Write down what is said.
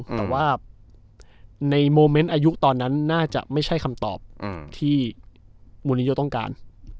แต่ว่าในโมเมนต์อายุตอนนั้นน่าจะไม่ใช่คำตอบที่มูลนิโยต้องการ